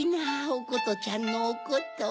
おことちゃんのおこと。